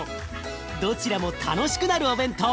どちらも楽しくなるお弁当。